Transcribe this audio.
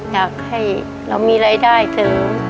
อยากให้เรามีรายได้เสริม